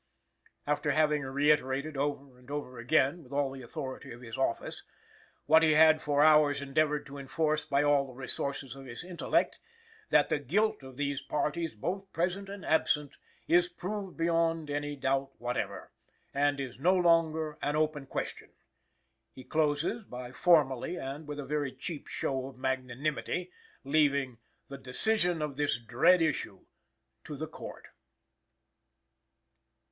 After having reiterated over and over again, with all the authority of his office, what he had for hours endeavoured to enforce by all the resources of his intellect, that the guilt "of all these parties, both present and absent" is proved "beyond any doubt whatever," and "is no longer an open question;" he closes by formally, and with a very cheap show of magnanimity, leaving "the decision of this dread issue" to the Court.